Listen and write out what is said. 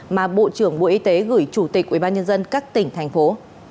mà bộ trưởng bộ y tế gửi chủ tịch ubnd các tỉnh thành phố